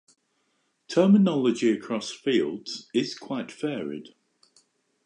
Terminology across fields is quite varied.